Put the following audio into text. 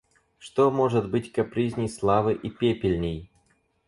Что может быть капризней славы и пепельней?